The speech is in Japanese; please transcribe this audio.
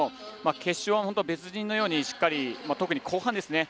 決勝は別人のようにしっかり特に後半ですね。